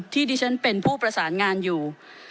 ที่ดิฉันเป็นผู้ประสานงานอยู่